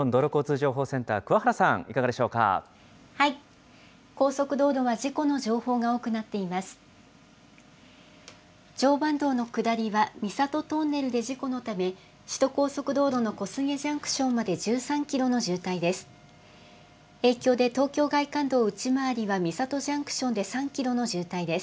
常磐道の下りは、三郷トンネルで事故のため、首都高速道路の小菅ジャンクションまで１３キロの渋滞です。